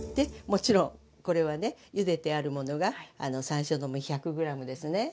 もちろんこれはねゆでてあるものがあの山椒の実１００ｇですね。